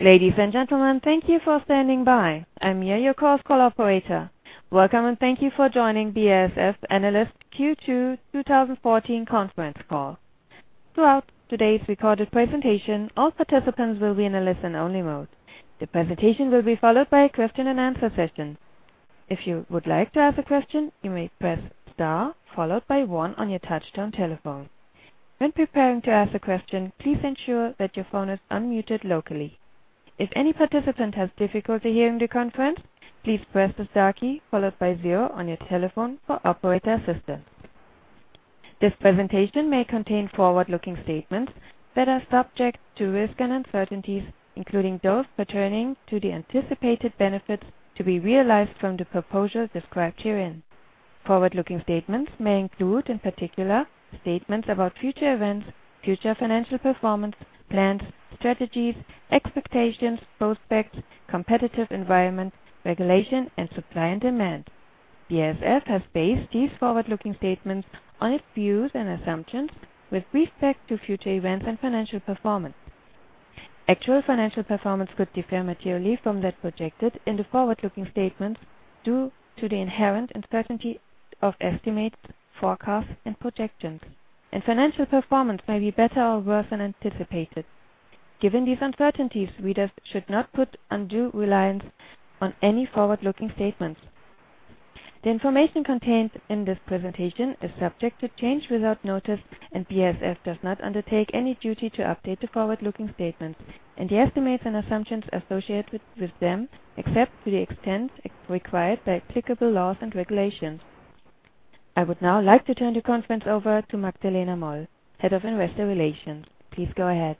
Ladies and gentlemen, thank you for standing by. I'm Mia, your call operator. Welcome, and thank you for joining BASF Analyst Q2 2014 Conference Call. Throughout today's recorded presentation, all participants will be in a listen-only mode. The presentation will be followed by a question-and-answer session. If you would like to ask a question, you may press star followed by one on your touchtone telephone. When preparing to ask a question, please ensure that your phone is unmuted locally. If any participant has difficulty hearing the conference, please press the star key followed by zero on your telephone for operator assistance. This presentation may contain forward-looking statements that are subject to risks and uncertainties, including those pertaining to the anticipated benefits to be realized from the proposals described herein. Forward-looking statements may include, in particular, statements about future events, future financial performance, plans, strategies, expectations, prospects, competitive environment, regulation and supply and demand. BASF has based these forward-looking statements on its views and assumptions with respect to future events and financial performance. Actual financial performance could differ materially from that projected in the forward-looking statements due to the inherent uncertainty of estimates, forecasts and projections, and financial performance may be better or worse than anticipated. Given these uncertainties, readers should not put undue reliance on any forward-looking statements. The information contained in this presentation is subject to change without notice, and BASF does not undertake any duty to update the forward-looking statements and the estimates and assumptions associated with them, except to the extent required by applicable laws and regulations. I would now like to turn the conference over to Magdalena Moll, Head of Investor Relations. Please go ahead.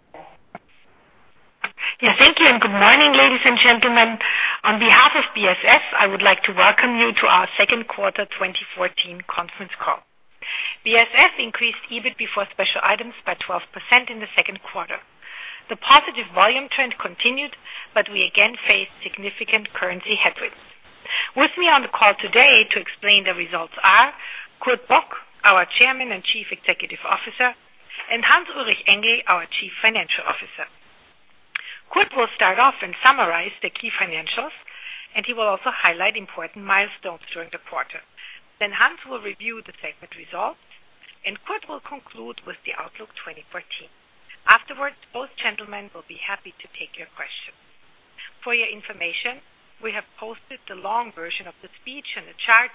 Yeah, thank you and good morning, ladies and gentlemen. On behalf of BASF, I would like to welcome you to our second quarter 2014 conference call. BASF increased EBIT before special items by 12% in the second quarter. The positive volume trend continued, but we again faced significant currency headwinds. With me on the call today to explain the results are Kurt Bock, our Chairman and Chief Executive Officer, and Hans-Ulrich Engel, our Chief Financial Officer. Kurt will start off and summarize the key financials, and he will also highlight important milestones during the quarter. Then Hans will review the segment results, and Kurt will conclude with the Outlook 2014. Afterwards, both gentlemen will be happy to take your questions. For your information, we have posted the long version of the speech and the charts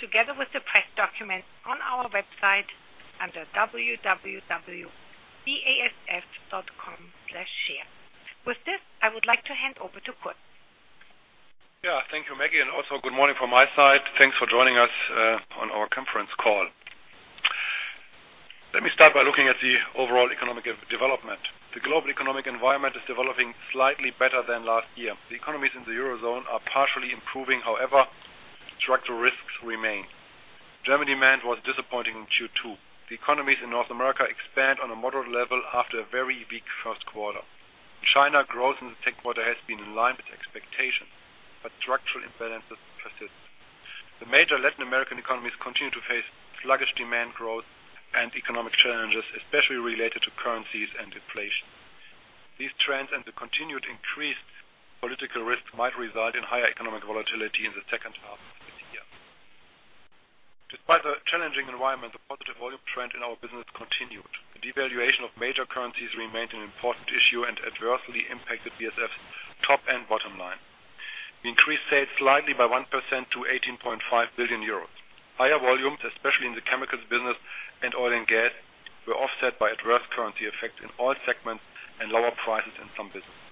together with the press documents on our website under www.basf.com/share. With this, I would like to hand over to Kurt. Yeah. Thank you, Maggie, and also good morning from my side. Thanks for joining us on our conference call. Let me start by looking at the overall economic development. The global economic environment is developing slightly better than last year. The economies in the Eurozone are partially improving, however, structural risks remain. German demand was disappointing in Q2. The economies in North America expand on a moderate level after a very weak first quarter. China growth in the second quarter has been in line with expectations, but structural imbalances persist. The major Latin American economies continue to face sluggish demand growth and economic challenges, especially related to currencies and inflation. These trends and the continued increased political risk might result in higher economic volatility in the second half of this year. Despite the challenging environment, the positive volume trend in our business continued. The devaluation of major currencies remained an important issue and adversely impacted BASF's top and bottom line. We increased sales slightly by 1% to 18.5 billion euros. Higher volumes, especially in the chemicals business and oil and gas, were offset by adverse currency effects in all segments and lower prices in some businesses.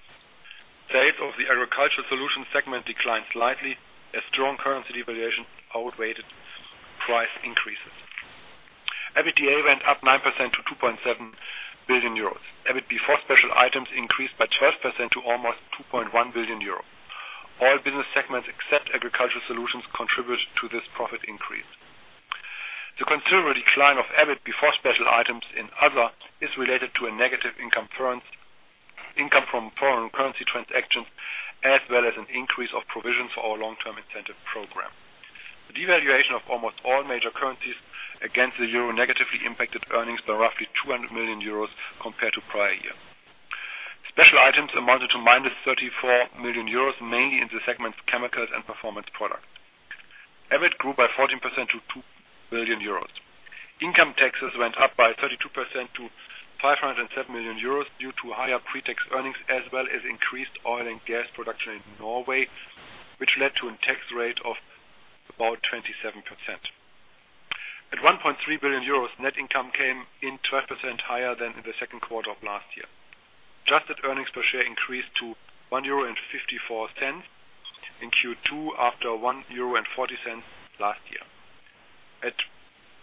Sales of the Agricultural Solutions segment declined slightly as strong currency devaluation outweighed price increases. EBITDA went up 9% to 2.7 billion euros. EBIT before special items increased by 12% to almost 2.1 billion euros. All business segments except Agricultural Solutions contributed to this profit increase. The considerable decline of EBIT before special items in Other is related to a negative income from foreign currency transactions, as well as an increase of provisions for our long-term incentive program. The devaluation of almost all major currencies against the euro negatively impacted earnings by roughly 200 million euros compared to prior year. Special items amounted to -34 million euros, mainly in the segments Chemicals and Performance Products. EBIT grew by 14% to 2 billion euros. Income taxes went up by 32% to 507 million euros due to higher pretax earnings, as well as increased oil and gas production in Norway, which led to a tax rate of about 27%. At 1.3 billion euros, net income came in 12% higher than in the second quarter of last year. Adjusted earnings per share increased to 1.54 euro in Q2 after 1.40 euro last year. At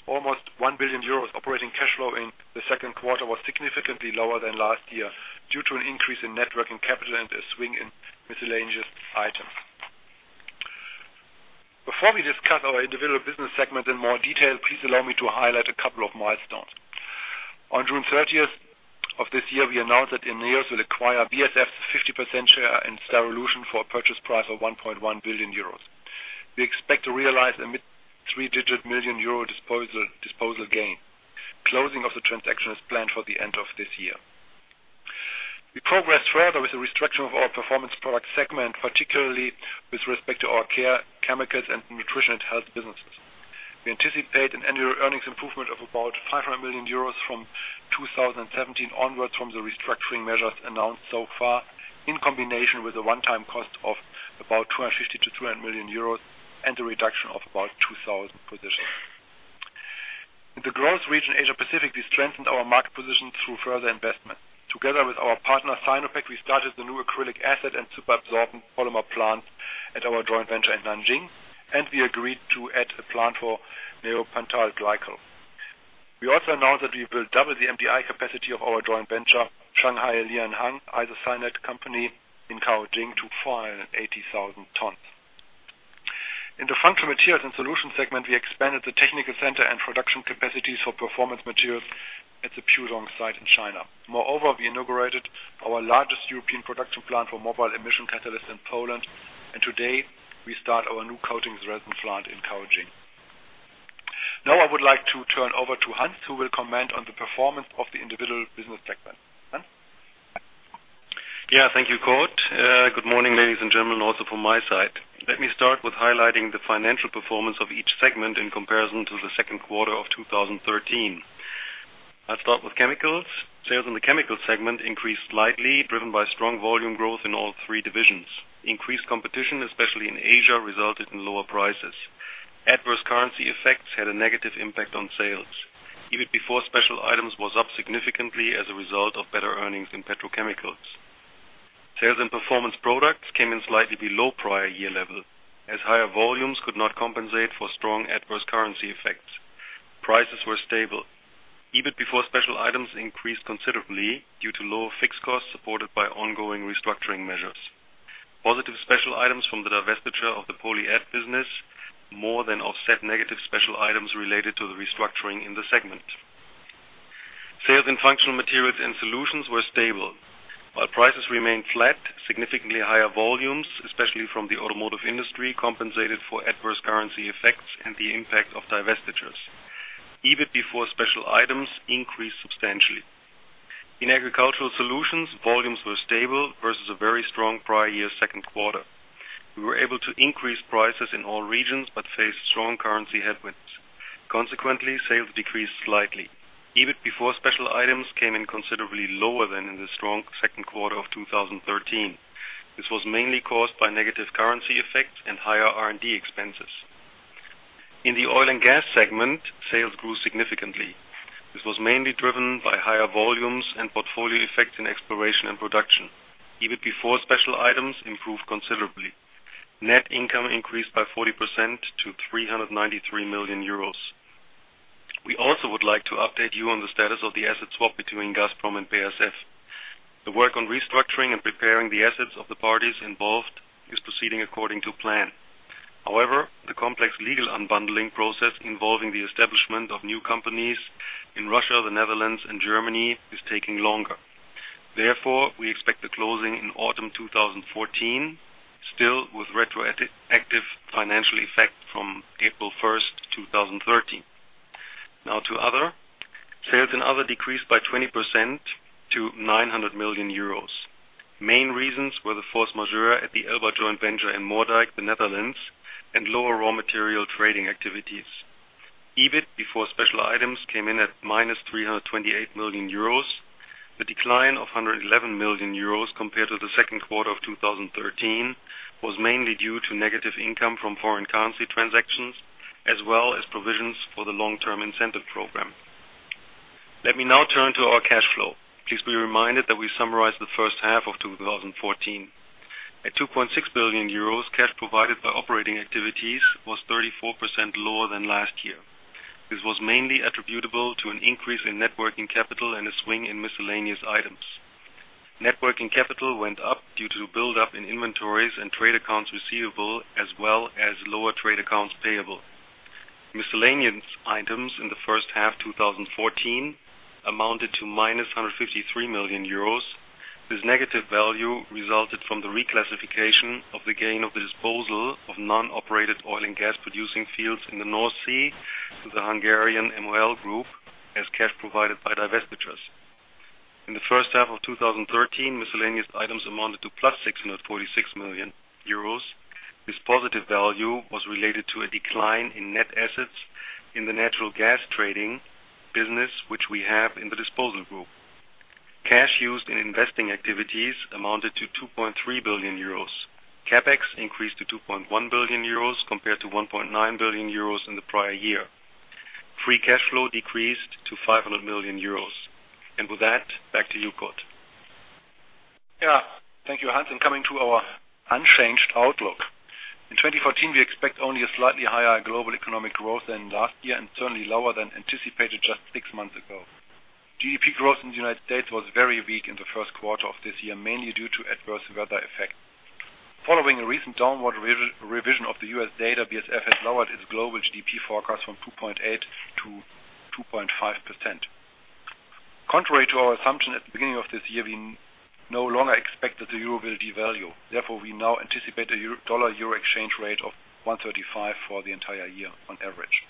almost 1 billion euros, operating cash flow in the second quarter was significantly lower than last year due to an increase in net working capital and a swing in miscellaneous items. Before we discuss our individual business segments in more detail, please allow me to highlight a couple of milestones. On June 30th of this year, we announced that INEOS will acquire BASF's 50% share in Styrolution for a purchase price of 1.1 billion euros. We expect to realize a mid-three-digit million EUR disposal gain. Closing of the transaction is planned for the end of this year. We progressed further with the restructuring of our Performance Products segment, particularly with respect to our Care Chemicals and Nutrition & Health businesses. We anticipate an annual earnings improvement of about 500 million euros from 2017 onwards from the restructuring measures announced so far, in combination with a one-time cost of about 250 million-200 million euros and a reduction of about 2,000 positions. In the growth region Asia Pacific, we strengthened our market position through further investment. Together with our partner, Sinopec, we started the new acrylic acid and super absorbent polymer plant at our joint venture in Nanjing, and we agreed to add a plant for neopentyl glycol. We also announced that we will double the MDI capacity of our joint venture, Shanghai Lianheng, in Caojing to 480,000 tons. In the Functional Materials and Solutions segment, we expanded the technical center and production capacities for performance materials at the Pudong site in China. Moreover, we inaugurated our largest European production plant for mobile emission catalysts in Poland, and today, we start our new coatings resin plant in Caojing. Now I would like to turn over to Hans, who will comment on the performance of the individual business segment. Hans? Yeah, thank you, Kurt. Good morning, ladies and gentlemen, also from my side. Let me start with highlighting the financial performance of each segment in comparison to the second quarter of 2013. I'll start with Chemicals. Sales in the Chemicals segment increased slightly, driven by strong volume growth in all three divisions. Increased competition, especially in Asia, resulted in lower prices. Adverse currency effects had a negative impact on sales. EBIT before special items was up significantly as a result of better earnings in petrochemicals. Sales in Performance Products came in slightly below prior year level, as higher volumes could not compensate for strong adverse currency effects. Prices were stable. EBIT before special items increased considerably due to lower fixed costs supported by ongoing restructuring measures. Positive special items from the divestiture of the PolyAd business more than offset negative special items related to the restructuring in the segment. Sales in Functional Materials & Solutions were stable. While prices remained flat, significantly higher volumes, especially from the automotive industry, compensated for adverse currency effects and the impact of divestitures. EBIT before special items increased substantially. In Agricultural Solutions, volumes were stable versus a very strong prior year second quarter. We were able to increase prices in all regions but faced strong currency headwinds. Consequently, sales decreased slightly. EBIT before special items came in considerably lower than in the strong second quarter of 2013. This was mainly caused by negative currency effects and higher R&D expenses. In the oil and gas segment, sales grew significantly. This was mainly driven by higher volumes and portfolio effects in exploration and production. EBIT before special items improved considerably. Net income increased by 40% to 393 million euros. We also would like to update you on the status of the asset swap between Gazprom and BASF. The work on restructuring and preparing the assets of the parties involved is proceeding according to plan. However, the complex legal unbundling process involving the establishment of new companies in Russia, the Netherlands and Germany is taking longer. Therefore, we expect the closing in autumn 2014, still with retroactive financial effect from April 1st, 2013. Now to Other. Sales in Other decreased by 20% to 900 million euros. Main reasons were the force majeure at the Ellba joint venture in Moerdijk, the Netherlands, and lower raw material trading activities. EBIT before special items came in at -328 million euros. The decline of 111 million euros compared to the second quarter of 2013 was mainly due to negative income from foreign currency transactions as well as provisions for the long-term incentive program. Let me now turn to our cash flow. Please be reminded that we summarized the first half of 2014. At 2.6 billion euros, cash provided by operating activities was 34% lower than last year. This was mainly attributable to an increase in net working capital and a swing in miscellaneous items. Net working capital went up due to build-up in inventories and trade accounts receivable, as well as lower trade accounts payable. Miscellaneous items in the first half 2014 amounted to -153 million euros. This negative value resulted from the reclassification of the gain of the disposal of non-operated oil and gas producing fields in the North Sea to the Hungarian MOL Group as cash provided by divestitures. In the first half of 2013, miscellaneous items amounted to +646 million euros. This positive value was related to a decline in net assets in the natural gas trading business, which we have in the disposal group. Cash used in investing activities amounted to 2.3 billion euros. CapEx increased to 2.1 billion euros compared to 1.9 billion euros in the prior year. Free cash flow decreased to 500 million euros. With that, back to you, Kurt. Yeah. Thank you, Hans. Coming to our unchanged outlook. In 2014, we expect only a slightly higher global economic growth than last year and certainly lower than anticipated just six months ago. GDP growth in the United States was very weak in the first quarter of this year, mainly due to adverse weather effects. Following a recent downward revision of the U.S. data, BASF has lowered its global GDP forecast from 2.8% to 2.5%. Contrary to our assumption at the beginning of this year, we no longer expect that the euro will devalue. Therefore, we now anticipate a dollar-euro exchange rate of 1.35 for the entire year on average.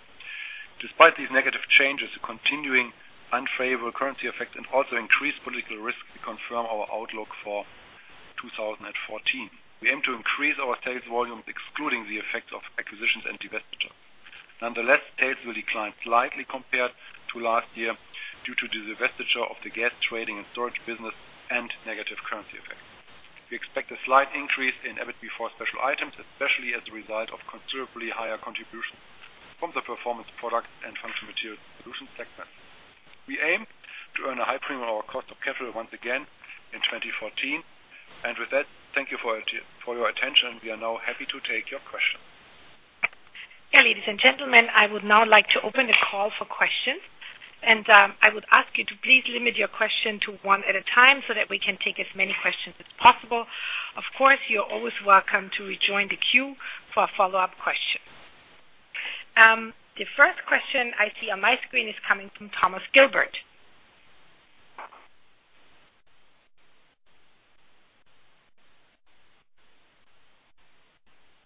Despite these negative changes, the continuing unfavorable currency effects and also increased political risks, we confirm our outlook for 2014. We aim to increase our sales volume excluding the effects of acquisitions and divestiture. Nonetheless, sales will decline slightly compared to last year due to the divestiture of the gas trading and storage business and negative currency effects. We expect a slight increase in EBIT before special items, especially as a result of considerably higher contribution from the Performance Products and Functional Materials & Solutions segments. We aim to earn a high premium on our cost of capital once again in 2014. With that, thank you for your attention. We are now happy to take your questions. Yeah. Ladies and gentlemen, I would now like to open the call for questions, and, I would ask you to please limit your question to one at a time so that we can take as many questions as possible. Of course, you're always welcome to rejoin the queue for a follow-up question. The first question I see on my screen is coming from Thomas Gilbert.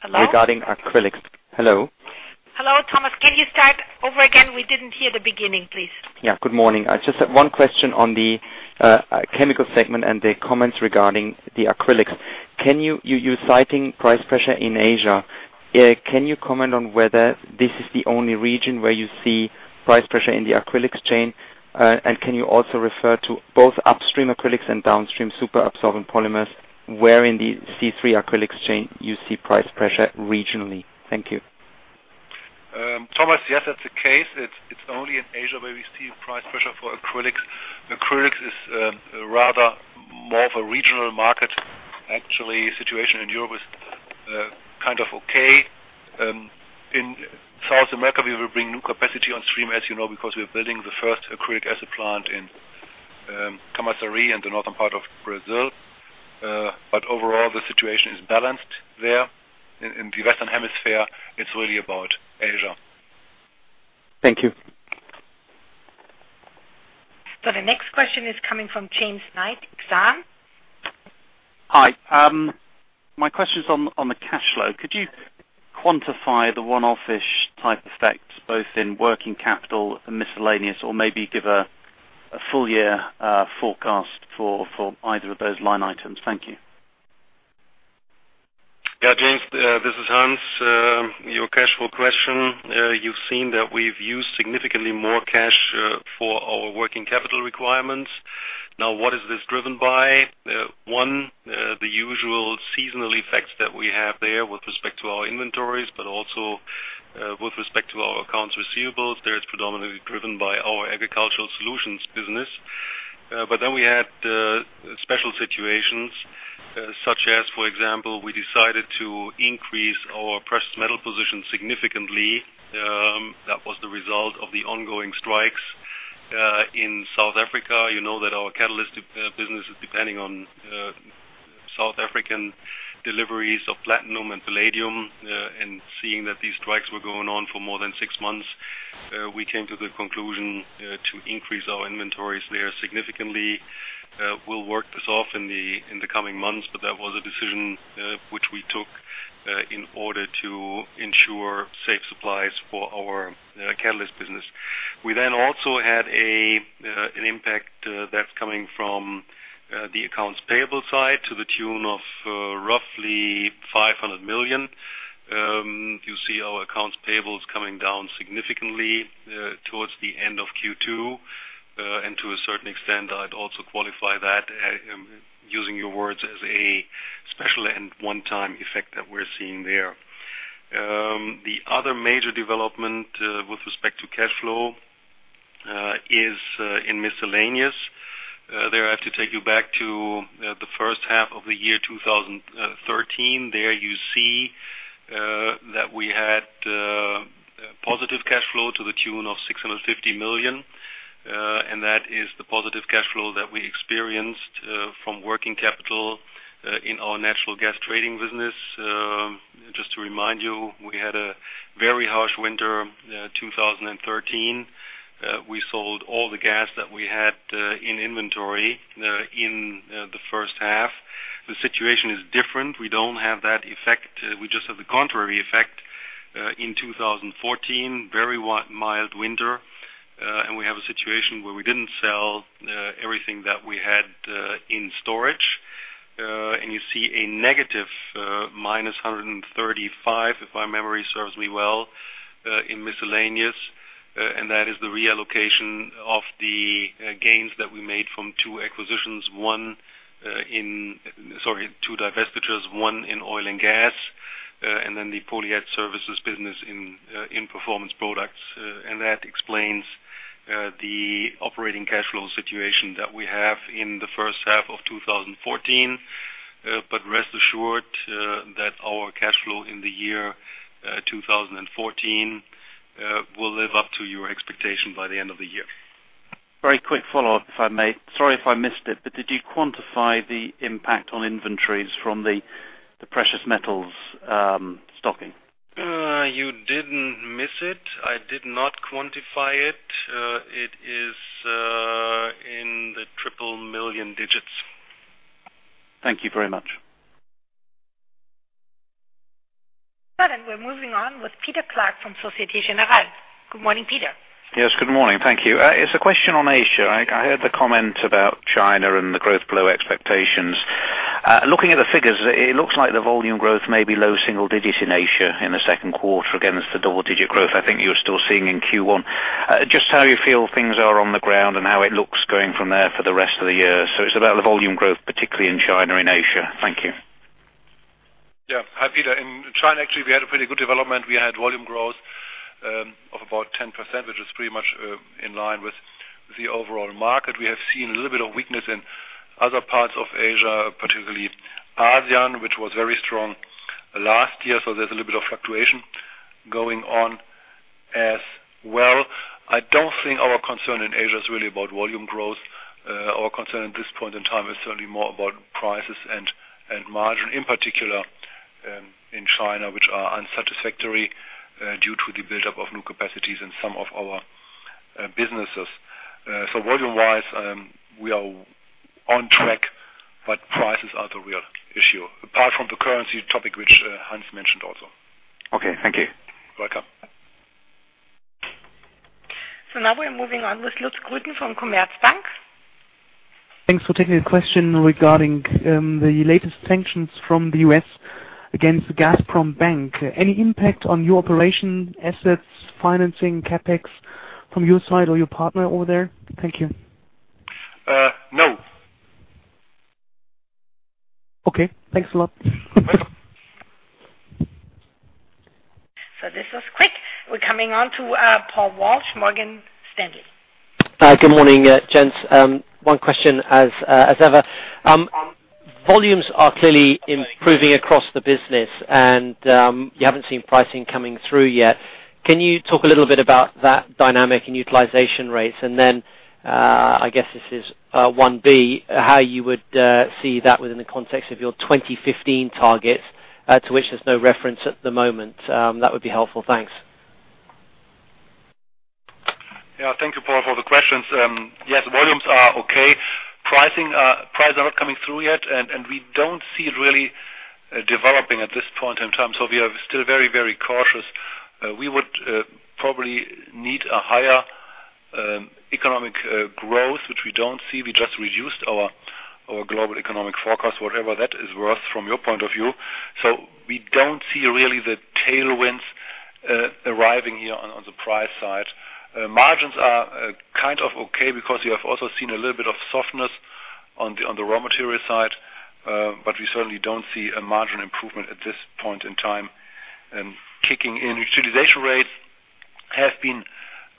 Hello? Regarding acrylics. Hello? Hello, Thomas. Can you start over again? We didn't hear the beginning, please. Yeah. Good morning. I just have one question on the chemical segment and the comments regarding the acrylics. You're citing price pressure in Asia. Can you comment on whether this is the only region where you see price pressure in the acrylics chain? Can you also refer to both upstream acrylics and downstream super absorbent polymers, where in the C3 acrylics chain you see price pressure regionally? Thank you. Thomas, yes, that's the case. It's only in Asia where we see price pressure for acrylics. Acrylics is a rather more of a regional market actually. Situation in Europe is kind of okay. In South America, we will bring new capacity on stream, as you know, because we're building the first acrylic acid plant in Camaçari in the northern part of Brazil. Overall, the situation is balanced there. In the Western Hemisphere, it's really about Asia. Thank you. The next question is coming from James Knight, Exane. Hi. My question's on the cash flow. Could you quantify the one-off-ish type effects both in working capital and miscellaneous or maybe give a full year forecast for either of those line items? Thank you. Yeah, James, this is Hans. Your cash flow question, you've seen that we've used significantly more cash for our working capital requirements. Now, what is this driven by? One, the usual seasonal effects that we have there with respect to our inventories, but also, with respect to our accounts receivables. There, it's predominantly driven by our Agricultural Solutions business. We had special situations, such as, for example, we decided to increase our precious metal position significantly. That was the result of the ongoing strikes in South Africa. You know that our catalyst business is depending on South African deliveries of platinum and palladium. Seeing that these strikes were going on for more than six months, we came to the conclusion to increase our inventories there significantly. We'll work this off in the coming months, but that was a decision which we took in order to ensure safe supplies for our catalyst business. We also had an impact that's coming from the accounts payable side to the tune of roughly 500 million. You see our accounts payable coming down significantly towards the end of Q2. To a certain extent, I'd also qualify that, using your words, as a special and one-time effect that we're seeing there. The other major development with respect to cash flow is in miscellaneous. There I have to take you back to the first half of the year 2013. There you see that we had positive cash flow to the tune of 650 million, and that is the positive cash flow that we experienced from working capital in our natural gas trading business. Just to remind you, we had a very harsh winter 2013. We sold all the gas that we had in inventory in the first half. The situation is different. We don't have that effect. We just have the contrary effect in 2014, very mild winter, and we have a situation where we didn't sell everything that we had in storage. You see a negative -135, if my memory serves me well, in miscellaneous, and that is the reallocation of the gains that we made from two divestitures, one in oil and gas, and then the PolyAd Services business in Performance Products. That explains the operating cash flow situation that we have in the first half of 2014. Rest assured that our cash flow in the year 2014 will live up to your expectation by the end of the year. Very quick follow-up, if I may. Sorry if I missed it, but did you quantify the impact on inventories from the The precious metals, stocking. You didn't miss it. I did not quantify it. It is in the triple million digits. Thank you very much. We're moving on with Peter Clark from Société Générale. Good morning, Peter. Yes, good morning. Thank you. It's a question on Asia. I heard the comment about China and the growth below expectations. Looking at the figures, it looks like the volume growth may be low single digits in Asia in the second quarter against the double-digit growth I think you're still seeing in Q1. Just how you feel things are on the ground and how it looks going from there for the rest of the year. It's about the volume growth, particularly in China, in Asia. Thank you. Yeah. Hi, Peter. In China, actually, we had a pretty good development. We had volume growth of about 10%, which is pretty much in line with the overall market. We have seen a little bit of weakness in other parts of Asia, particularly ASEAN, which was very strong last year. There's a little bit of fluctuation going on as well. I don't think our concern in Asia is really about volume growth. Our concern at this point in time is certainly more about prices and margin, in particular in China, which are unsatisfactory due to the buildup of new capacities in some of our businesses. Volume-wise, we are on track, but prices are the real issue, apart from the currency topic which Hans mentioned also. Okay, thank you. Welcome. Now we're moving on with Lutz Grueten from Commerzbank. Thanks for taking a question regarding the latest sanctions from the U.S. against Gazprombank. Any impact on your operating assets, financing, CapEx from your side or your partner over there? Thank you. No. Okay, thanks a lot. Welcome. This was quick. We're coming on to Paul Walsh, Morgan Stanley. Good morning, gents. One question as ever. Volumes are clearly improving across the business, and you haven't seen pricing coming through yet. Can you talk a little bit about that dynamic and utilization rates? Then, I guess this is one B, how you would see that within the context of your 2015 targets, to which there's no reference at the moment. That would be helpful. Thanks. Yeah. Thank you, Paul, for the questions. Yes, volumes are okay. Prices are not coming through yet, and we don't see it really developing at this point in time. We are still very, very cautious. We would probably need a higher economic growth, which we don't see. We just reduced our global economic forecast, whatever that is worth from your point of view. We don't see really the tailwinds arriving here on the price side. Margins are kind of okay because you have also seen a little bit of softness on the raw material side, but we certainly don't see a margin improvement at this point in time kicking in. Utilization rates have been.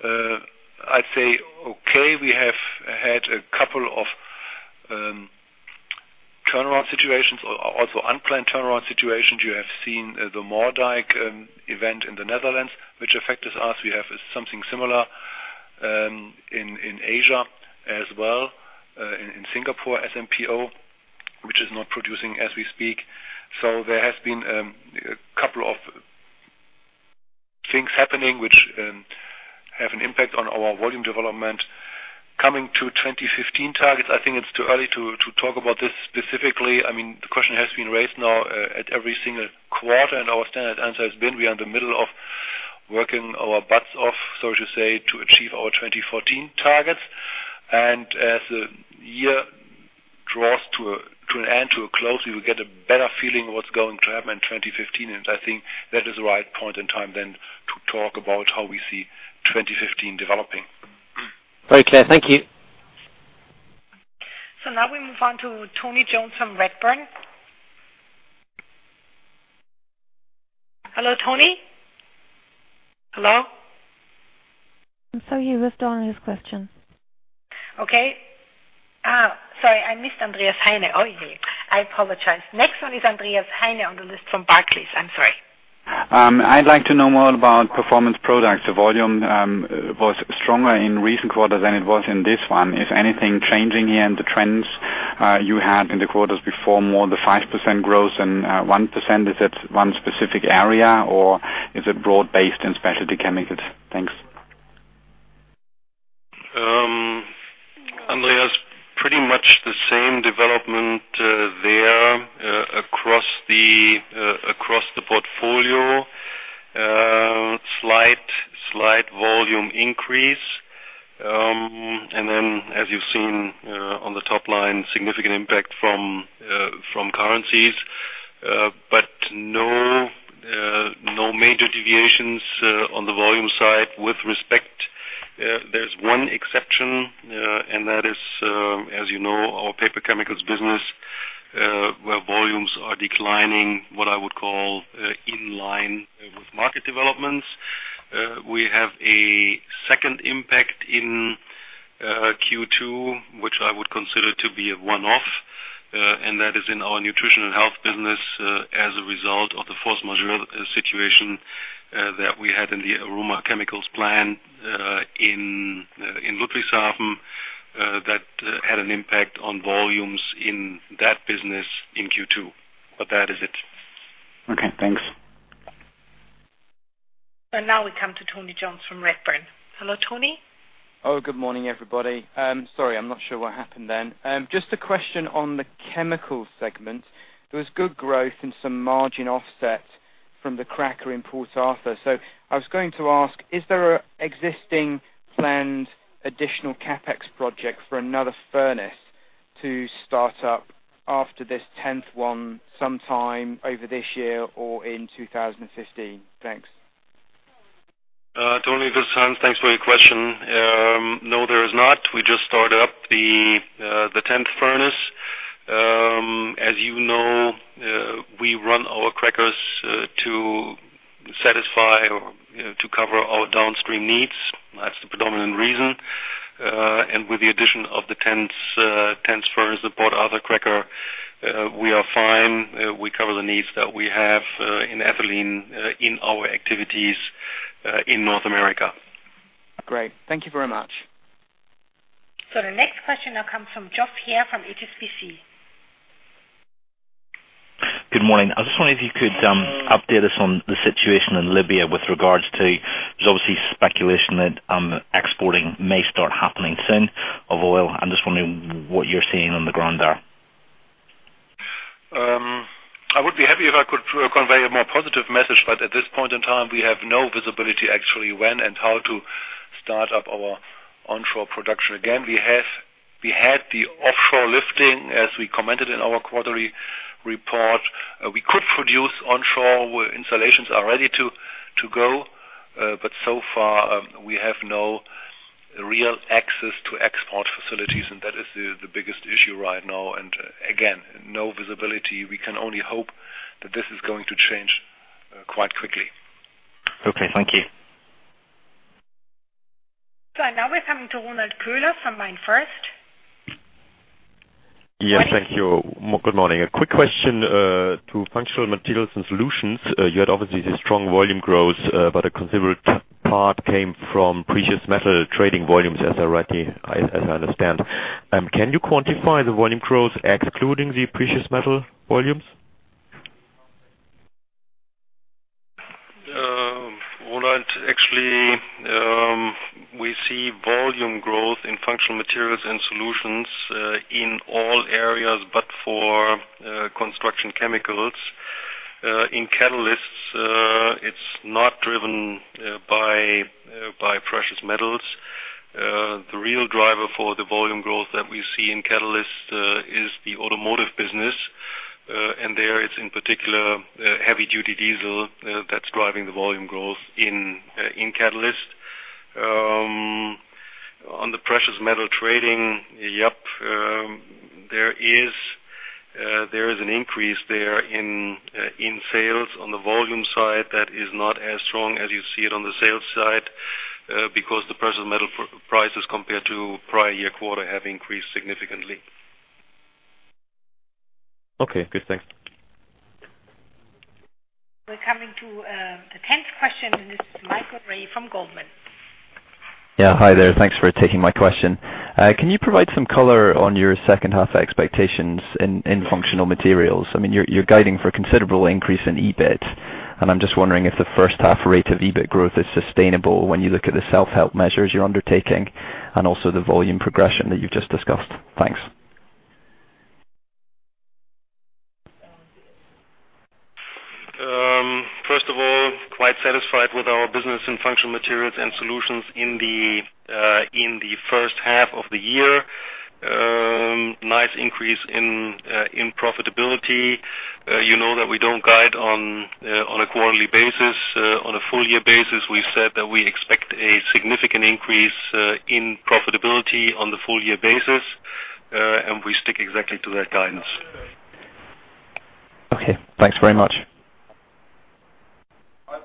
I'd say okay. We have had a couple of turnaround situations, also unplanned turnaround situations. You have seen the Moerdijk event in the Netherlands, which affected us. We have something similar in Asia as well, in Singapore, SMPO, which is not producing as we speak. There has been a couple of things happening which have an impact on our volume development. Coming to 2015 targets, I think it's too early to talk about this specifically. I mean, the question has been raised now at every single quarter, and our standard answer has been we are in the middle of working our butts off, so to say, to achieve our 2014 targets. As the year draws to an end, to a close, we will get a better feeling of what's going to happen in 2015. I think that is the right point in time then to talk about how we see 2015 developing. Very clear. Thank you. Now we move on to Tony Jones from Redburn. Hello, Tony? Hello? I'm sorry. He's withdrawn his question. Okay. Sorry, I missed Andreas Heine. Oh, I apologize. Next one is Andreas Heine on the list from Barclays. I'm sorry. I'd like to know more about Performance Products. The volume was stronger in recent quarters than it was in this one. Is anything changing here in the trends you had in the quarters before, more the 5% growth and 1%? Is it one specific area, or is it broad-based in specialty chemicals? Thanks. Andreas, pretty much the same development there across the portfolio. Slight volume increase. As you've seen, on the top line, significant impact from currencies, but no major deviations on the volume side with respect. There's one exception, and that is, as you know, our paper chemicals business, where volumes are declining, what I would call, in line with market developments. We have a second impact in Q2, which I would consider to be a one-off, and that is in our nutrition and health business, as a result of the force majeure situation that we had in the aroma chemicals plant in Ludwigshafen. That had an impact on volumes in that business in Q2, but that is it. Okay, thanks. Now we come to Tony Jones from Redburn. Hello, Tony. Oh, good morning, everybody. Sorry, I'm not sure what happened then. Just a question on the chemical segment. There was good growth and some margin offsets from the cracker in Port Arthur. I was going to ask, is there existing planned additional CapEx projects for another furnace to start up after this tenth one sometime over this year or in 2015? Thanks. Tony, this is Hans. Thanks for your question. No, there is not. We just start up the tenth furnace. As you know, we run our crackers to satisfy or, you know, to cover our downstream needs. That's the predominant reason. With the addition of the tenth furnace, the Port Arthur cracker, we are fine. We cover the needs that we have in ethylene in our activities in North America. Great. Thank you very much. The next question now comes from Geoff Haire from HSBC. Good morning. I just wondered if you could update us on the situation in Libya with regards to, there's obviously speculation that exporting may start happening soon of oil. I'm just wondering what you're seeing on the ground there. I would be happy if I could convey a more positive message, but at this point in time, we have no visibility actually when and how to start up our onshore production again. We had the offshore lifting, as we commented in our quarterly report. We could produce onshore where installations are ready to go, but so far, we have no real access to export facilities, and that is the biggest issue right now. Again, no visibility. We can only hope that this is going to change quite quickly. Okay, thank you. Now we're coming to Ronald Köhler from MainFirst. Yes, thank you. Good morning. A quick question to Functional Materials and Solutions. You had obviously the strong volume growth, but a considerable part came from precious metal trading volumes, as I understand. Can you quantify the volume growth excluding the precious metal volumes? Ronald, actually, we see volume growth in Functional Materials & Solutions in all areas, but for construction chemicals. In Catalysts, it's not driven by precious metals. The real driver for the volume growth that we see in Catalysts is the automotive business. There it's in particular heavy-duty diesel that's driving the volume growth in catalyst. On the precious metal trading, yep, there is an increase there in sales on the volume side that is not as strong as you see it on the sales side, because the precious metal prices compared to prior-year quarter have increased significantly. Okay, good. Thanks. We're coming to the tenth question, and this is Michael Rae from Goldman. Yeah. Hi there. Thanks for taking my question. Can you provide some color on your second half expectations in functional materials? I mean, you're guiding for considerable increase in EBIT, and I'm just wondering if the first half rate of EBIT growth is sustainable when you look at the self-help measures you're undertaking and also the volume progression that you've just discussed. Thanks. First of all, we are quite satisfied with our business in Functional Materials & Solutions in the first half of the year. Nice increase in profitability. You know that we don't guide on a quarterly basis. On a full year basis, we said that we expect a significant increase in profitability on the full year basis, and we stick exactly to that guidance. Okay, thanks very much.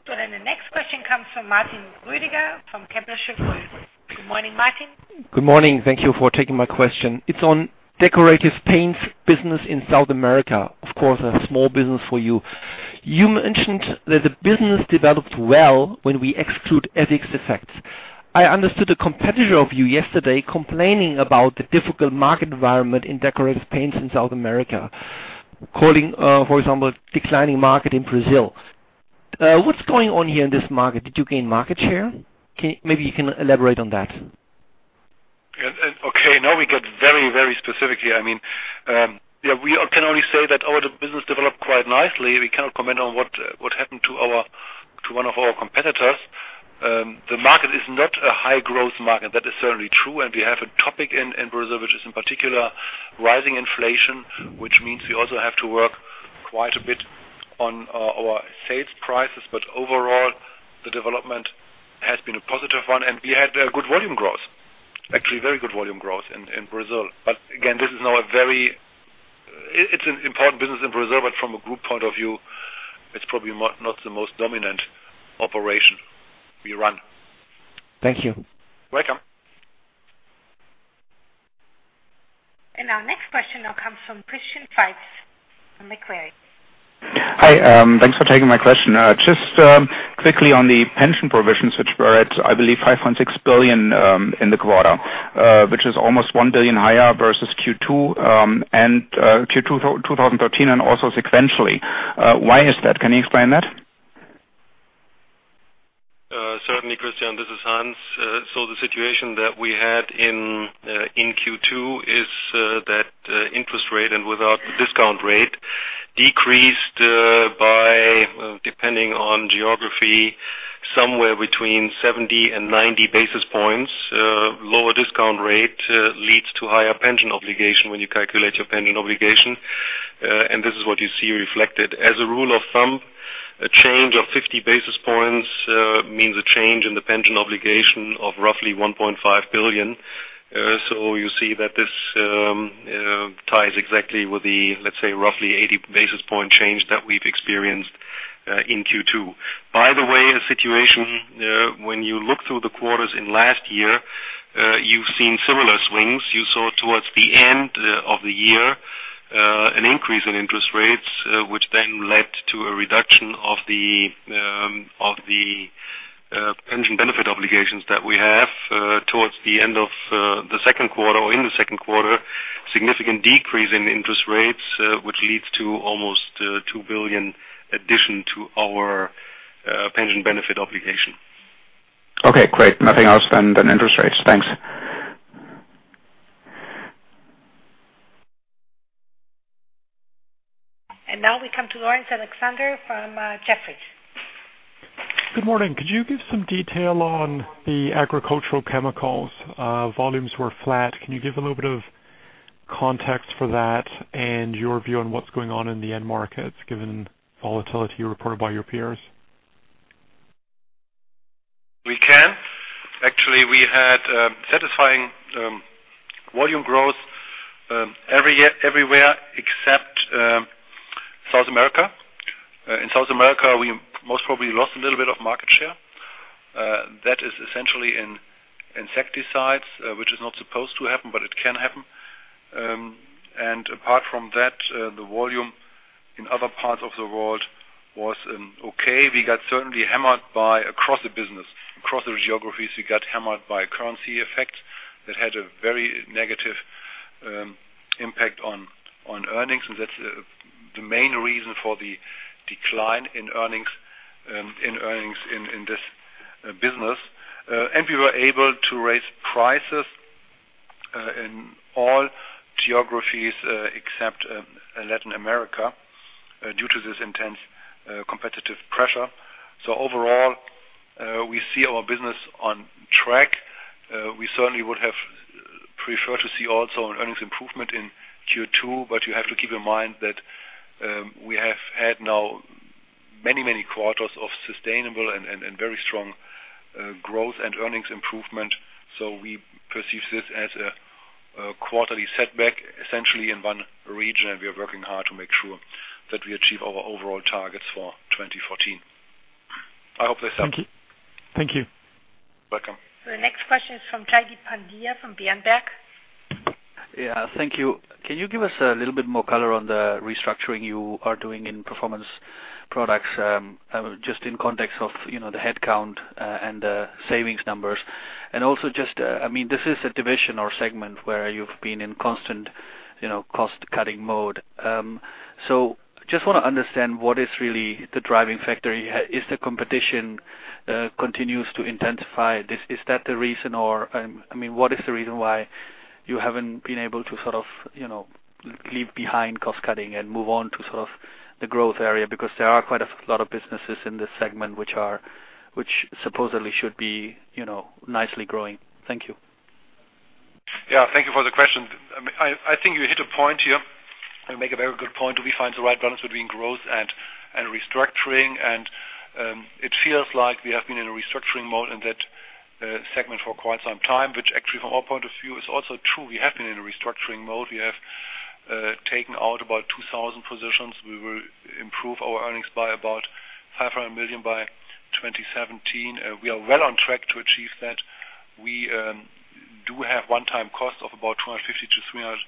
The next question comes from Martin Rüdiger from Kepler Cheuvreux. Good morning, Martin. Good morning. Thank you for taking my question. It's on decorative paints business in South America. Of course, a small business for you. You mentioned that the business developed well when we exclude currency effects. I understood a competitor of you yesterday complaining about the difficult market environment in decorative paints in South America, calling, for example, declining market in Brazil. What's going on here in this market? Did you gain market share? Maybe you can elaborate on that. Okay, now we get very, very specific here. I mean, yeah, we can only say that our business developed quite nicely. We cannot comment on what happened to one of our competitors. The market is not a high-growth market, that is certainly true. We have a topic in Brazil, which is in particular rising inflation, which means we also have to work quite a bit on our sales prices. Overall, the development has been a positive one, and we had a good volume growth, actually very good volume growth in Brazil. Again, this is now a very important business in Brazil, but from a group point of view, it is probably not the most dominant operation we run. Thank you. Welcome. Our next question now comes from Christian Faitz from Macquarie. Hi, thanks for taking my question. Just quickly on the pension provisions, which were at, I believe, 5.6 billion in the quarter, which is almost 1 billion higher versus Q2 and Q2 2013 and also sequentially. Why is that? Can you explain that? Certainly, Christian, this is Hans. So the situation that we had in Q2 is that interest rate and the discount rate decreased by, depending on geography, somewhere between 70 and 90 basis points. Lower discount rate leads to higher pension obligation when you calculate your pension obligation, and this is what you see reflected. As a rule of thumb, a change of 50 basis points means a change in the pension obligation of roughly 1.5 billion. So you see that this ties exactly with the, let's say, roughly 80 basis point change that we've experienced in Q2. By the way, a situation when you look through the quarters in last year, you've seen similar swings. You saw towards the end of the year an increase in interest rates, which then led to a reduction of the pension benefit obligations that we have. Towards the end of the second quarter or in the second quarter, significant decrease in interest rates, which leads to almost 2 billion addition to our pension benefit obligation. Okay, great. Nothing else than interest rates. Thanks. Now we come to Laurence Alexander from Jefferies. Good morning. Could you give some detail on the agricultural chemicals? Volumes were flat. Can you give a little bit of context for that and your view on what's going on in the end markets, given volatility reported by your peers? We can. Actually, we had satisfying volume growth everywhere except South America. In South America, we most probably lost a little bit of market share. That is essentially in insecticides, which is not supposed to happen, but it can happen. Apart from that, the volume in other parts of the world was okay. We got certainly hammered across the business, across the geographies, by currency effect that had a very negative impact on earnings. That's the main reason for the decline in earnings in this business. We were able to raise prices in all geographies except Latin America due to this intense competitive pressure. Overall, we see our business on track. We certainly would have preferred to see also an earnings improvement in Q2, but you have to keep in mind that we have had now many quarters of sustainable and very strong growth and earnings improvement. We perceive this as a quarterly setback, essentially in one region, and we are working hard to make sure that we achieve our overall targets for 2014. I hope that's helpful. Thank you. Welcome. The next question is from Jaideep Pandya from Berenberg. Yeah. Thank you. Can you give us a little bit more color on the restructuring you are doing in Performance Products, just in context of, you know, the headcount, and the savings numbers? Also just, I mean, this is a division or segment where you've been in constant, you know, cost-cutting mode. Just wanna understand what is really the driving factor. Is the competition continues to intensify? Is that the reason, or, I mean, what is the reason why you haven't been able to sort of, you know, leave behind cost-cutting and move on to sort of the growth area? Because there are quite a lot of businesses in this segment which supposedly should be, you know, nicely growing. Thank you. Yeah, thank you for the question. I think you hit a point here and make a very good point. Do we find the right balance between growth and restructuring? It feels like we have been in a restructuring mode in that segment for quite some time, which actually from our point of view is also true. We have been in a restructuring mode. We have taken out about 2,000 positions. We will improve our earnings by about 500 million by 2017. We are well on track to achieve that. We do have one-time cost of about 250 million-300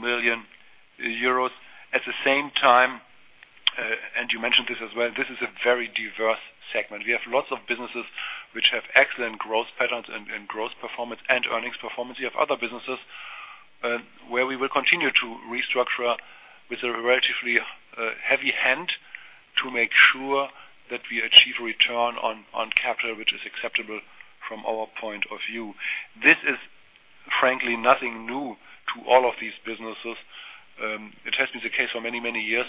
million euros. At the same time, and you mentioned this as well, this is a very diverse segment. We have lots of businesses which have excellent growth patterns and growth performance and earnings performance. We have other businesses, where we will continue to restructure with a relatively heavy hand to make sure that we achieve return on capital, which is acceptable from our point of view. This is frankly nothing new to all of these businesses. It has been the case for many, many years,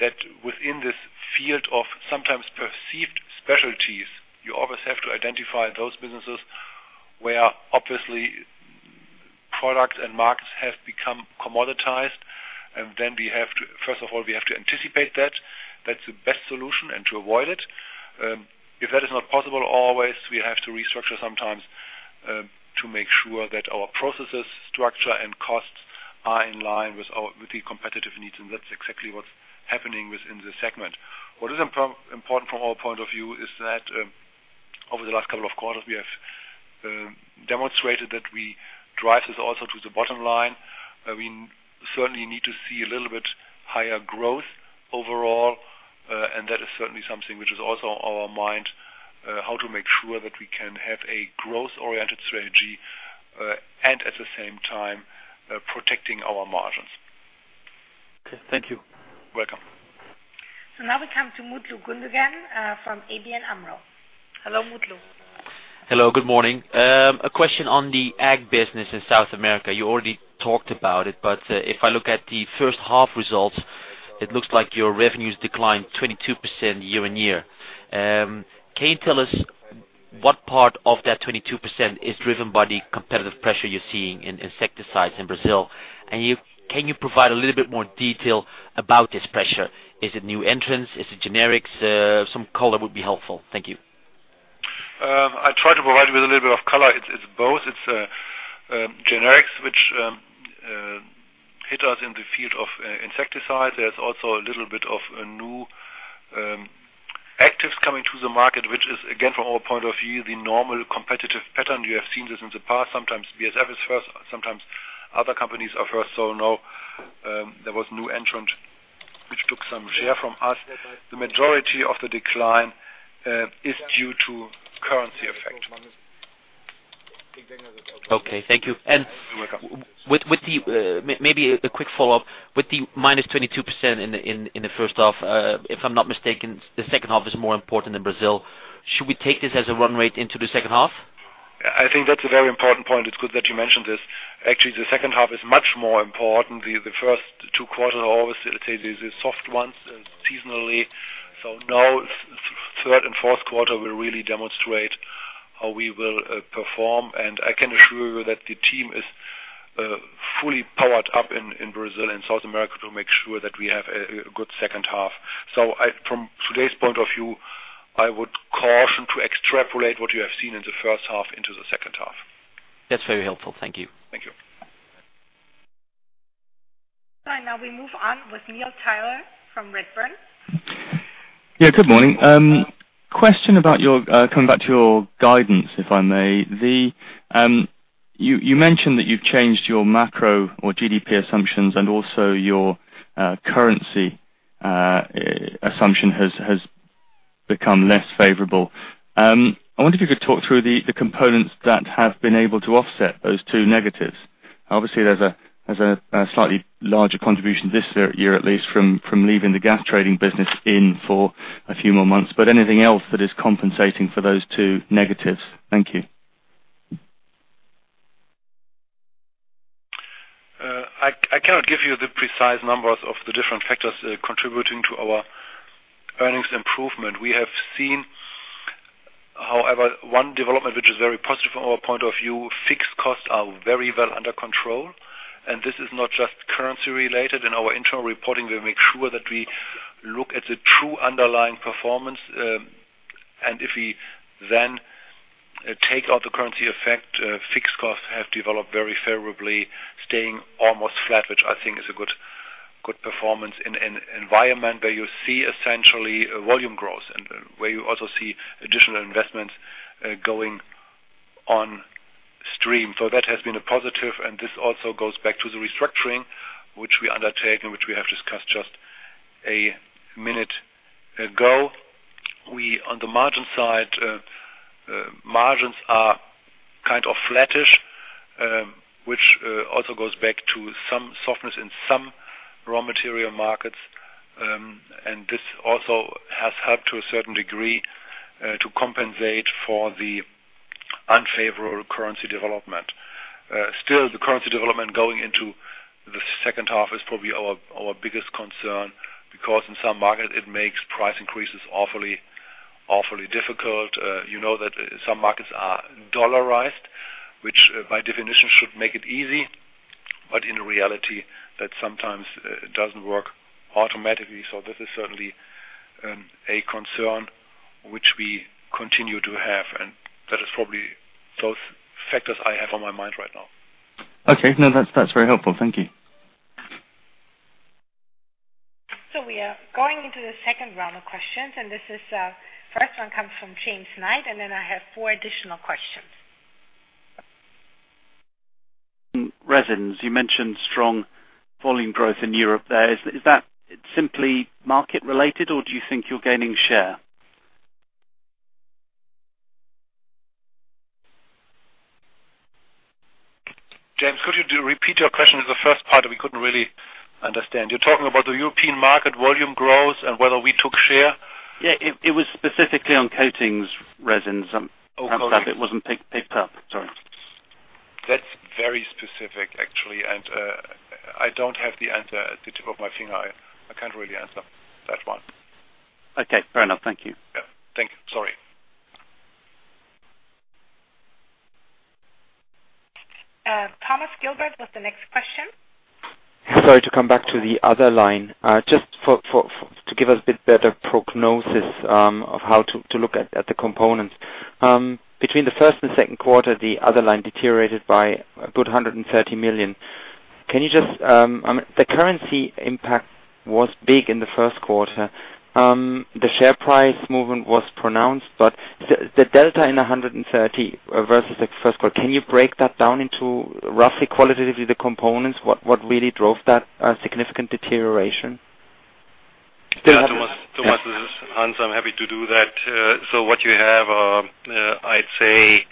that within this field of sometimes perceived specialties, you always have to identify those businesses where obviously product and markets have become commoditized, and then first of all we have to anticipate that. That's the best solution, and to avoid it. If that is not possible always, we have to restructure sometimes, to make sure that our processes, structure and costs are in line with the competitive needs, and that's exactly what's happening within this segment. What is important from our point of view is that over the last couple of quarters, we have demonstrated that we drive this also to the bottom line. We certainly need to see a little bit higher growth overall, and that is certainly something which is also on our mind, how to make sure that we can have a growth-oriented strategy, and at the same time, protecting our margins. Okay, thank you. Welcome. Now we come to Mutlu Gundogan from ABN AMRO. Hello, Mutlu. Hello, good morning. A question on the ag business in South America. You already talked about it, but if I look at the first half results, it looks like your revenues declined 22% year-on-year. Can you tell us what part of that 22% is driven by the competitive pressure you're seeing in insecticides in Brazil? Can you provide a little bit more detail about this pressure? Is it new entrants? Is it generics? Some color would be helpful. Thank you. I try to provide you with a little bit of color. It's both. It's generics, which hit us in the field of insecticides. There's also a little bit of new actives coming to the market, which is again, from our point of view, the normal competitive pattern. You have seen this in the past. Sometimes we are first, sometimes other companies are first. Now, there was new entrant which took some share from us. The majority of the decline is due to currency effect. Okay, thank you. You're welcome. With the maybe a quick follow-up. With the minus 22% in the first half, if I'm not mistaken, the second half is more important in Brazil. Should we take this as a run rate into the second half? I think that's a very important point. It's good that you mentioned this. Actually, the second half is much more important. The first two quarters are always, let's say, the soft ones seasonally. Now third and fourth quarter will really demonstrate how we will perform, and I can assure you that the team is fully powered up in Brazil and South America to make sure that we have a good second half. From today's point of view, I would caution to extrapolate what you have seen in the first half into the second half. That's very helpful. Thank you. Thank you. All right, now we move on with Neil Tyler from Redburn. Yeah, good morning. Question about your coming back to your guidance, if I may. You mentioned that you've changed your macro or GDP assumptions and also your currency assumption has become less favorable. I wonder if you could talk through the components that have been able to offset those two negatives. Obviously, there's a slightly larger contribution this year, at least from leaving the gas trading business in for a few more months. Anything else that is compensating for those two negatives? Thank you. I cannot give you the precise numbers of the different factors contributing to our earnings improvement. We have seen, however, one development which is very positive from our point of view. Fixed costs are very well under control, and this is not just currency related. In our internal reporting, we make sure that we look at the true underlying performance, and if we then take out the currency effect, fixed costs have developed very favorably, staying almost flat, which I think is a good performance in an environment where you see essentially volume growth and where you also see additional investments going on stream. That has been a positive, and this also goes back to the restructuring which we undertake and which we have discussed just a minute ago. We, on the margin side, margins are kind of flattish, which also goes back to some softness in some raw material markets, and this also has helped to a certain degree to compensate for the unfavorable currency development. Still, the currency development going into the second half is probably our biggest concern because in some markets it makes price increases awfully difficult. You know that some markets are dollarized, which by definition should make it easy, but in reality that sometimes doesn't work automatically. This is certainly a concern which we continue to have, and that is probably those factors I have on my mind right now. Okay. No, that's very helpful. Thank you. We are going into the second round of questions, and this is the first one comes from James Knight, and then I have four additional questions. Resins. You mentioned strong volume growth in Europe there. Is that simply market related, or do you think you're gaining share? James, could you repeat your question? The first part, we couldn't really understand. You're talking about the European market volume growth and whether we took share? Yeah, it was specifically on coatings resins. Oh, Coatings. It wasn't picked up. Sorry. That's very specific, actually, and I don't have the answer at the tip of my finger. I can't really answer that one. Okay, fair enough. Thank you. Yeah. Thank you. Sorry. Thomas Gilbert with the next question. Sorry to come back to the other line. Just to give us a bit better prognosis of how to look at the components. Between the first and second quarter, the other line deteriorated by 130 million. Can you just, the currency impact was big in the first quarter. The share price movement was pronounced, but the delta in 1.30 versus the first quarter, can you break that down into roughly, qualitatively, the components, what really drove that, significant deterioration? Thomas, this is Hans. I'm happy to do that. What you have, I'd say,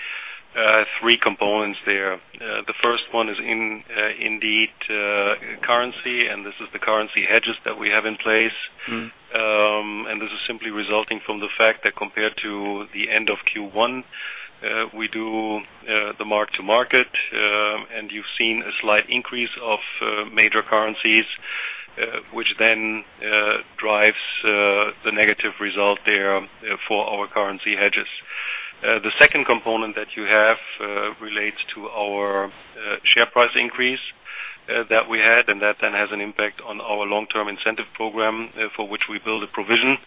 three components there. The first one is in, indeed, currency, and this is the currency hedges that we have in place. Mm-hmm. This is simply resulting from the fact that compared to the end of Q1, we do the mark-to-market, and you've seen a slight increase of major currencies, which then drives the negative result there for our currency hedges. The second component that you have relates to our share price increase that we had, and that then has an impact on our long-term incentive program for which we build a provision.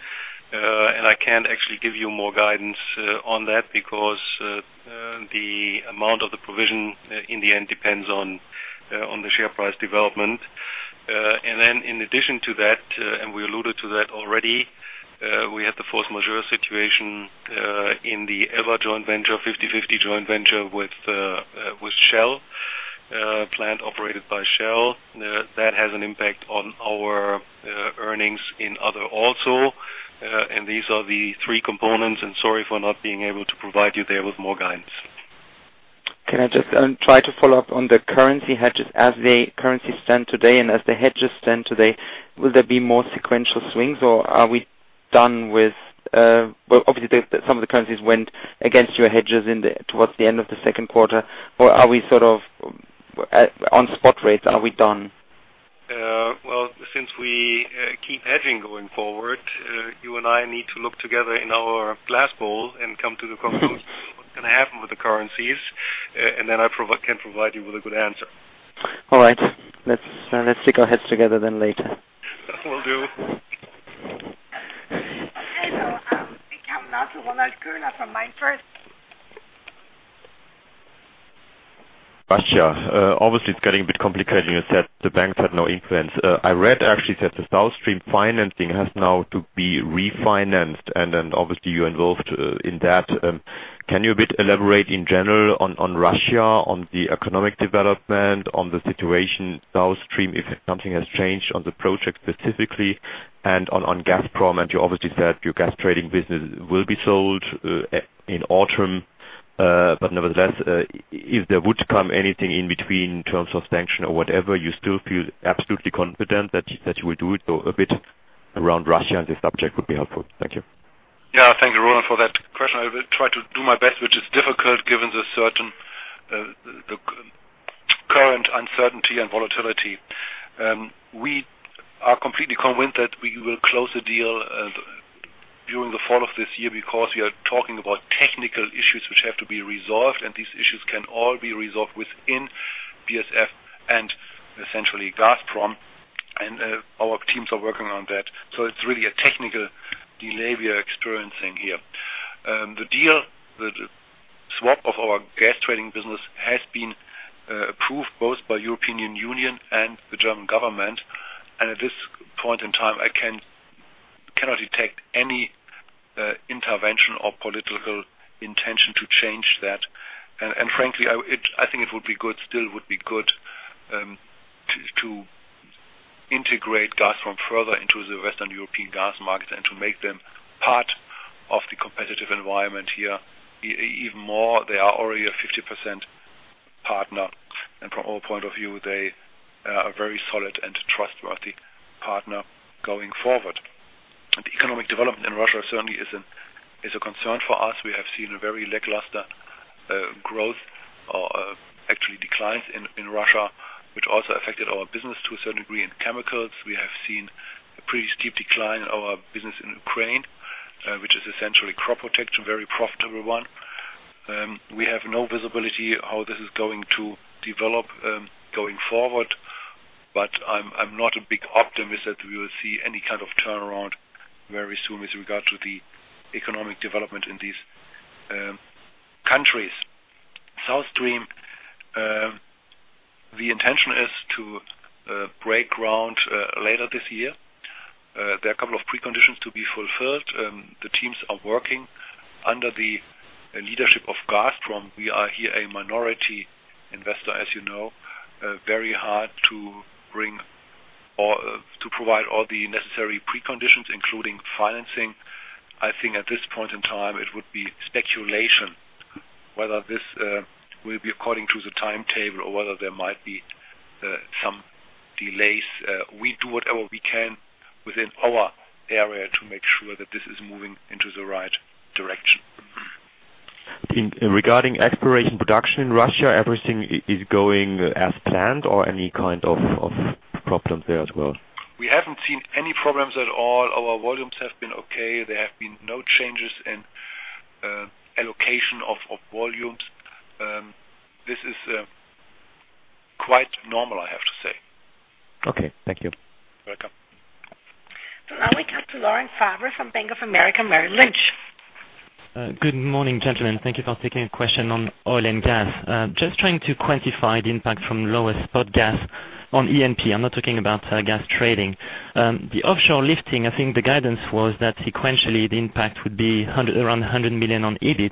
I can't actually give you more guidance on that because the amount of the provision in the end depends on the share price development. In addition to that, we alluded to that already. We had the force majeure situation in the Ellba joint venture, 50/50 joint venture with Shell, plant operated by Shell. That has an impact on our earnings in other also. These are the three components. Sorry for not being able to provide you there with more guidance. Can I just try to follow up on the currency hedges as the currency stand today, and as the hedges stand today, will there be more sequential swings, or are we done with? Well, obviously some of the currencies went against your hedges towards the end of the second quarter. Or are we sort of at on spot rates? Are we done? Well, since we keep hedging going forward, you and I need to look together in our crystal ball and come to the conclusion of what's gonna happen with the currencies, and then I can provide you with a good answer. All right. Let's stick our heads together then later. Will do. Hello, Russia, obviously it's getting a bit complicated. You said the banks had no influence. I read actually that the South Stream financing has now to be refinanced, and then obviously you're involved in that. Can you a bit elaborate in general on Russia, on the economic development, on the situation South Stream, if something has changed on the project specifically and on Gazprom. You obviously said your gas trading business will be sold in autumn. But nevertheless, if there would come anything in between in terms of sanctions or whatever, you still feel absolutely confident that you will do it or a bit around Russia and the subject would be helpful. Thank you. Yeah. Thank you, Ronald, for that question. I will try to do my best, which is difficult given the current uncertainty and volatility. We are completely convinced that we will close the deal during the fall of this year because we are talking about technical issues which have to be resolved, and these issues can all be resolved within BASF and essentially Gazprom. Our teams are working on that. It's really a technical delay we are experiencing here. The deal, the swap of our gas trading business has been approved both by European Union and the German government. At this point in time, I cannot detect any intervention or political intention to change that. Frankly, I think it would be good, still would be good, to integrate Gazprom further into the Western European gas market and to make them part of the competitive environment here even more. They are already a 50% partner, and from our point of view, they are a very solid and trustworthy partner going forward. The economic development in Russia certainly is a concern for us. We have seen a very lackluster growth or actually declines in Russia, which also affected our business to a certain degree. In chemicals, we have seen a pretty steep decline in our business in Ukraine, which is essentially crop protection, very profitable one. We have no visibility how this is going to develop going forward, but I'm not a big optimist that we will see any kind of turnaround very soon with regard to the economic development in these countries. South Stream, the intention is to break ground later this year. There are a couple of preconditions to be fulfilled. The teams are working under the leadership of Gazprom. We are here a minority investor, as you know, very hard to bring or to provide all the necessary preconditions, including financing. I think at this point in time, it would be speculation whether this will be according to the timetable or whether there might be some delays. We do whatever we can within our area to make sure that this is moving into the right direction. Regarding exploration & production in Russia, everything is going as planned or any kind of problems there as well? We haven't seen any problems at all. Our volumes have been okay. There have been no changes in allocation of volumes. This is quite normal, I have to say. Okay. Thank you. Welcome. Now we come to Laurent Favre from Bank of America Merrill Lynch. Good morning, gentlemen. Thank you for taking a question on oil and gas. Just trying to quantify the impact from lower spot gas on E&P. I'm not talking about gas trading. The offshore lifting, I think the guidance was that sequentially, the impact would be around 100 million on EBIT.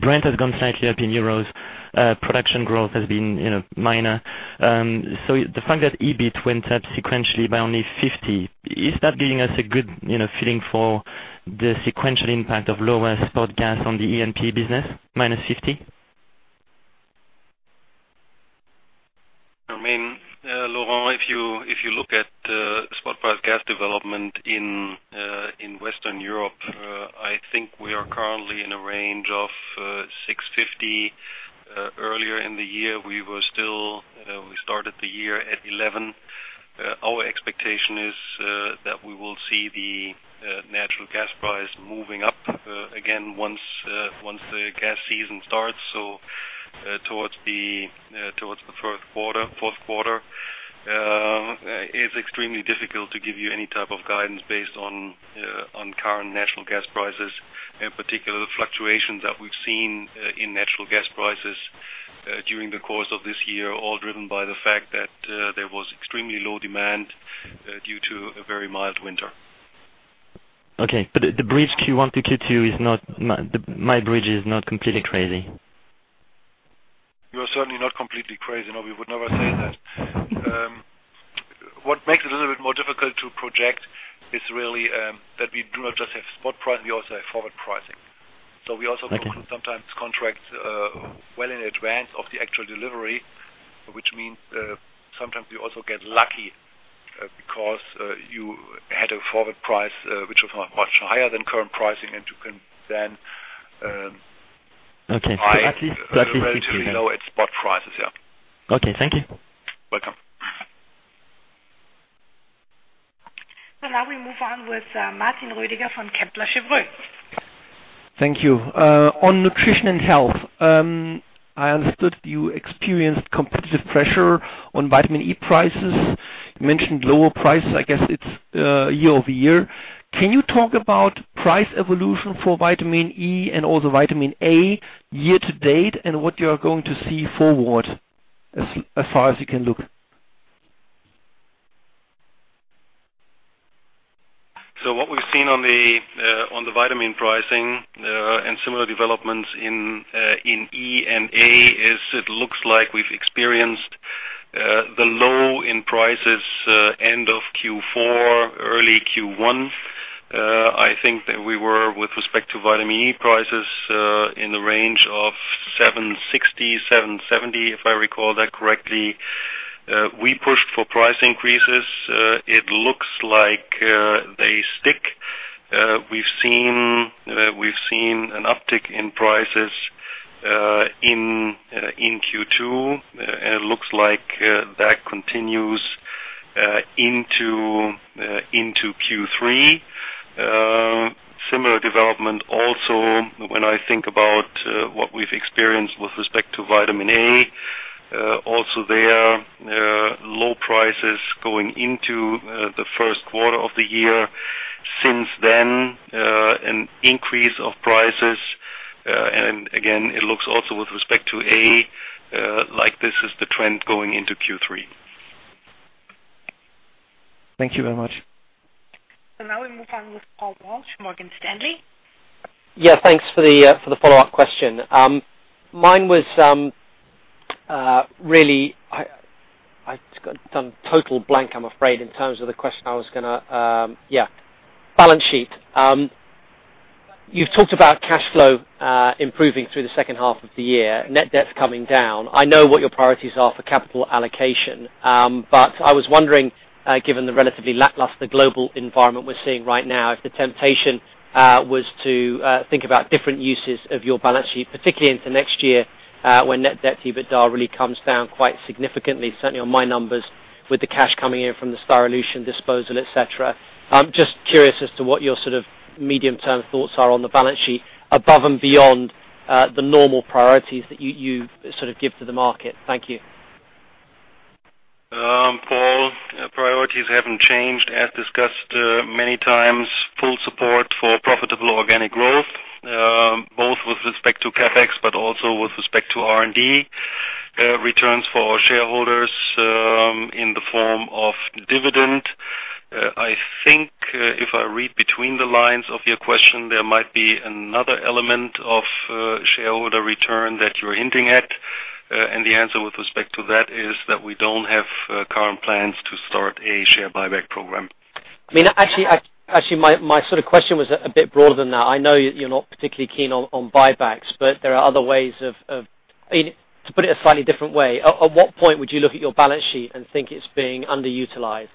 Brent has gone slightly up in euros, production growth has been, you know, minor. The fact that EBIT went up sequentially by only 50, is that giving us a good, you know, feeling for the sequential impact of lower spot gas on the E&P business, minus 50? I mean, Laurent, if you look at spot gas price development in Western Europe, I think we are currently in a range of 6.50. Earlier in the year, we started the year at 11. Our expectation is that we will see the natural gas price moving up again once the gas season starts, so towards the third quarter, fourth quarter. It's extremely difficult to give you any type of guidance based on current natural gas prices, in particular, the fluctuations that we've seen in natural gas prices during the course of this year, all driven by the fact that there was extremely low demand due to a very mild winter. Okay, the bridge Q1 to Q2 is not. My bridge is not completely crazy. You're certainly not completely crazy. No, we would never say that. What makes it a little bit more difficult to project is really that we do not just have spot pricing, we also have forward pricing. Thank you. We also sometimes contract well in advance of the actual delivery, which means sometimes we also get lucky because you had a forward price which was much higher than current pricing, and you can then. Okay. At least Buy relatively low at spot prices, yeah. Okay, thank you. Welcome. Now we move on with Martin Rüdiger from Kepler Cheuvreux. Thank you. On nutrition and health, I understood you experienced competitive pressure on vitamin E prices. You mentioned lower prices, I guess it's year-over-year. Can you talk about price evolution for vitamin E and also vitamin A year-to-date and what you are going to see forward, as far as you can look? What we've seen on the vitamin pricing and similar developments in E and A is, it looks like we've experienced the low in prices end of Q4, early Q1. I think that we were, with respect to vitamin E prices, in the range of 760-770, if I recall that correctly. We pushed for price increases. It looks like they stick. We've seen an uptick in prices in Q2. It looks like that continues into Q3. Similar development also when I think about what we've experienced with respect to vitamin A. Also there, low prices going into the first quarter of the year. Since then, an increase of prices, and again, it looks also with respect to A like this is the trend going into Q3. Thank you very much. Now we move on with Paul Walsh, Morgan Stanley. Yeah, thanks for the follow-up question. Mine was really I drew a total blank, I'm afraid, in terms of the question I was gonna. Yeah, balance sheet. You've talked about cash flow improving through the second half of the year, net debt coming down. I know what your priorities are for capital allocation. I was wondering, given the relatively lackluster global environment we're seeing right now, if the temptation was to think about different uses of your balance sheet, particularly into next year, when net debt to EBITDA really comes down quite significantly, certainly on my numbers, with the cash coming in from the Styrolution disposal, et cetera. I'm just curious as to what your sort of medium-term thoughts are on the balance sheet above and beyond the normal priorities that you sort of give to the market. Thank you. Paul, priorities haven't changed. As discussed, many times, full support for profitable organic growth, both with respect to CapEx, but also with respect to R&D. Returns for our shareholders, in the form of dividend. I think, if I read between the lines of your question, there might be another element of, shareholder return that you're hinting at. The answer with respect to that is that we don't have current plans to start a share buyback program. I mean, actually, my sort of question was a bit broader than that. I know you're not particularly keen on buybacks, but there are other ways of, I mean, to put it a slightly different way, at what point would you look at your balance sheet and think it's being underutilized?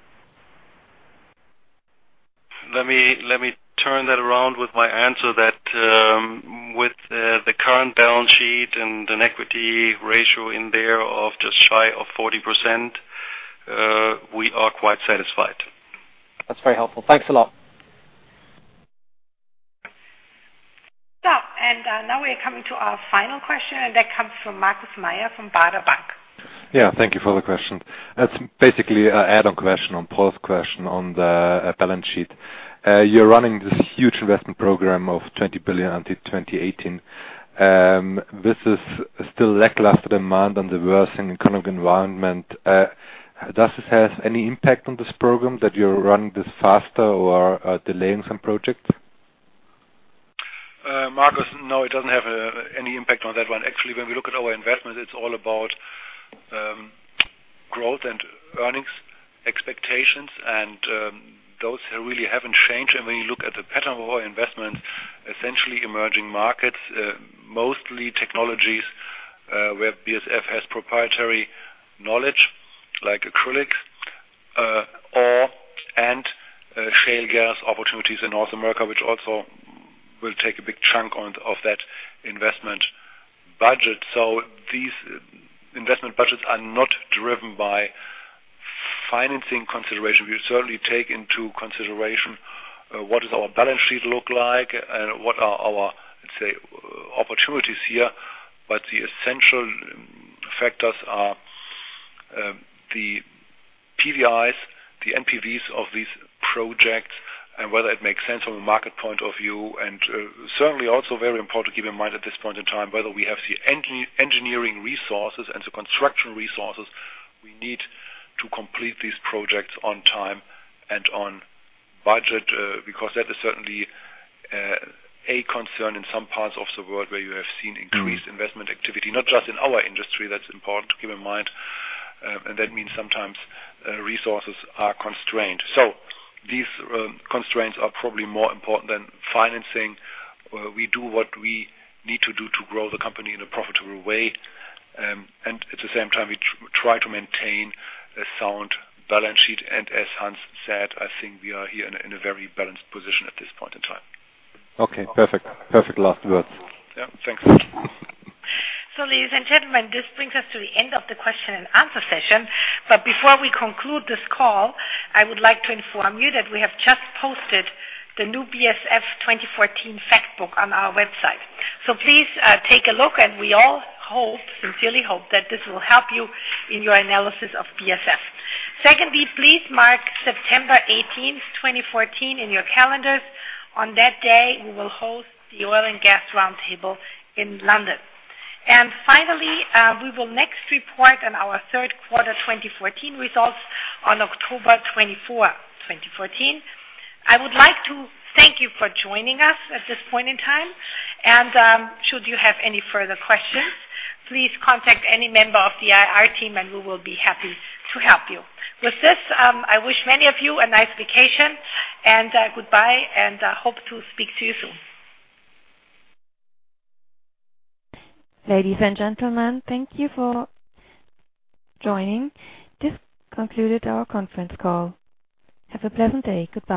Let me turn that around with my answer that, with, the current balance sheet and an equity ratio in there of just shy of 40%, we are quite satisfied. That's very helpful. Thanks a lot. Now we're coming to our final question, and that comes from Markus Mayer from Baader Bank. Yeah, thank you for the question. It's basically an add-on question on Paul's question on the balance sheet. You're running this huge investment program of 20 billion until 2018. This is still lackluster demand and the worsening economic environment. Does this have any impact on this program that you're running this faster or delaying some projects? Markus, no, it doesn't have any impact on that one. Actually, when we look at our investment, it's all about growth and earnings expectations, and those really haven't changed. When you look at the pattern of our investment, essentially emerging markets, mostly technologies, where BASF has proprietary knowledge like acrylics, and shale gas opportunities in North America, which also will take a big chunk of that investment budget. These investment budgets are not driven by financing consideration. We certainly take into consideration what does our balance sheet look like, what are our, let's say, opportunities here, but the essential factors are the PVIs, the NPVs of these projects and whether it makes sense from a market point of view. Certainly also very important to keep in mind at this point in time, whether we have the engineering resources and the construction resources we need to complete these projects on time and on budget, because that is certainly a concern in some parts of the world where you have seen increased investment activity. Not just in our industry, that's important to keep in mind, and that means sometimes resources are constrained. These constraints are probably more important than financing. We do what we need to do to grow the company in a profitable way. At the same time, we try to maintain a sound balance sheet. As Hans said, I think we are here in a very balanced position at this point in time. Okay, perfect. Perfect last words. Yeah. Thanks. Ladies and gentlemen, this brings us to the end of the question and answer session. Before we conclude this call, I would like to inform you that we have just posted the new BASF 2014 fact book on our website. Please, take a look, and we all hope, sincerely hope that this will help you in your analysis of BASF. Secondly, please mark September 18, 2014 in your calendars. On that day, we will host the oil and gas roundtable in London. Finally, we will next report on our third quarter 2014 results on October 24th, 2014. I would like to thank you for joining us at this point in time. Should you have any further questions, please contact any member of the IR team, and we will be happy to help you. With this, I wish many of you a nice vacation, and goodbye, and hope to speak to you soon. Ladies and gentlemen, thank you for joining. This concluded our conference call. Have a pleasant day. Goodbye.